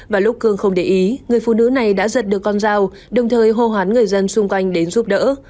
và lúc cương không để ý người phụ nữ này đã giật được con dao đồng thời hô hoán người dân xung quanh đến giúp đỡ